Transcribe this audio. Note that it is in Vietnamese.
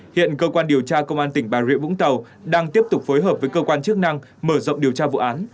hiện cơ quan điều tra công an tỉnh bà rịa vũng tàu đang tiếp tục phối hợp với cơ quan chức năng mở rộng điều tra vụ án